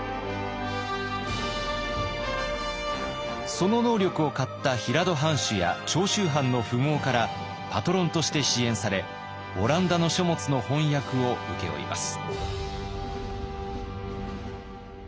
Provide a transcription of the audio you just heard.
その能力を買った平戸藩主や長州藩の富豪からパトロンとして支援されオランダの書物の翻訳を請け負います。